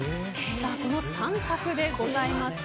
この３択でございます。